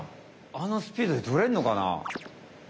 あのスピードでとれんのかな？